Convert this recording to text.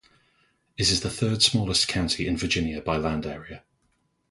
It is the third-smallest county in Virginia by land area.